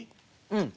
うん！